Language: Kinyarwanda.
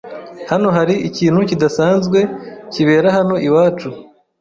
Hano hari ikintu kidasanzwe kibera hano iwacu.